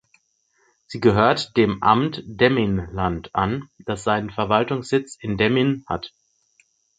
Sie gehört dem Amt Demmin-Land an, das seinen Verwaltungssitz in Demmin hat.